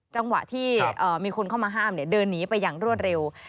จังหวะที่มีคนเข้ามาห้ามเดินหนีไปอย่างรวดเร็ว